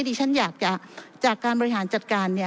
ดิฉันอยากจากการบริหารจัดการ